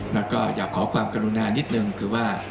และก็จะขอความกรุณานิดหนึ่งคือว่า